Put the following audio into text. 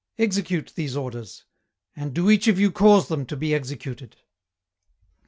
Execute these orders, and do each of you cause them to be executed.'